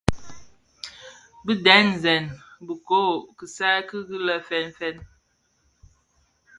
Bi dèn ziň bikö kisaï ki dhi lè fènfèn.